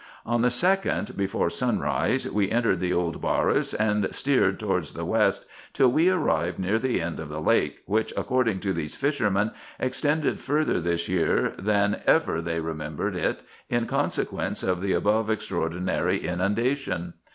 On the 2d, before sunrise, we entered the old Baris, and steered towards the west till we arrived near the end of the lake, which, according to these fishermen, extended further this year than ever they remembered it, in consequence of the above extraordinary inundation.